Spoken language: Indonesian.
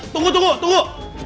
terima kasih kepada mbak mc